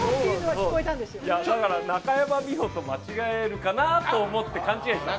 中山美穂と間違えるかなと思って、勘違いした。